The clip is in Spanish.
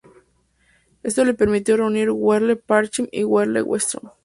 Esto le permitió reunir Werle-Parchim y Werle-Güstrow.